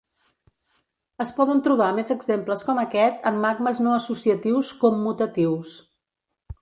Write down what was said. Es poden trobar més exemples com aquest en magmes no associatius commutatius.